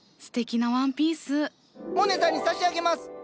すてきなワンピース。もねさんに差し上げます！